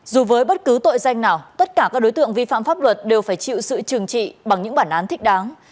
dù với bất cứ tội danh nào tất cả các đối tượng vi phạm pháp luật đều phải chịu sự trừng trị bằng những bản án thích đáng